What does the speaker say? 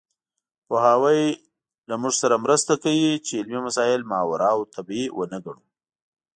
پوهاوی له موږ سره مرسته کوي چې علمي مسایل ماورالطبیعي ونه ګڼو.